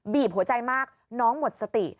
บีบหัวใจมากน้องหมดสติ